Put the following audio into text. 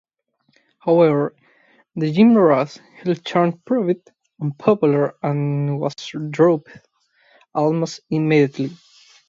However, the Jim Ross heel turn proved unpopular and was dropped almost immediately.